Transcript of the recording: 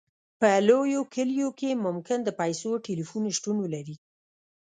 په لویو کلیو کې ممکن د پیسو ټیلیفون شتون ولري